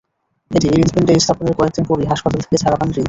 এটি হৃৎপিণ্ডে স্থাপনের কয়েক দিন পরই হাসপাতাল থেকে ছাড়া পান রিচ।